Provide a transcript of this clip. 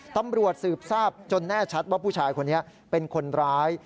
ตำรวจสืบทราบจนแน่ชัดว่าผู้ชายคนนี้เป็นคนร้าย